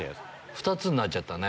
２つになっちゃったね。